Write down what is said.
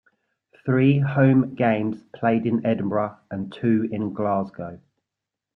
Three home games played in Edinburgh and two in Glasgow.